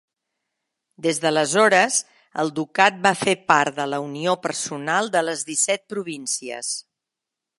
Des d'aleshores, el ducat va fer part de la unió personal de les Disset Províncies.